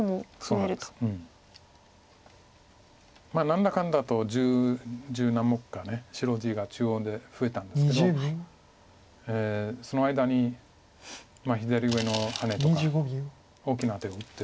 何だかんだと十何目か白地が中央で増えたんですけどその間に左上のハネとか大きな手を打ってる。